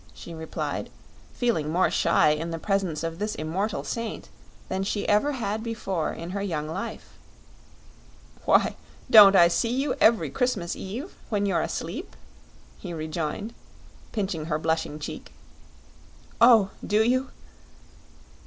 she replied, feeling more shy in the presence of this immortal saint than she ever had before in her young life. "Why, don't I see you every Christmas Eve, when you're asleep?" he rejoined, pinching her blushing cheek. "Oh, do you?"